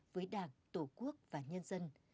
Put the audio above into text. với đảng tổ quốc và nhân dân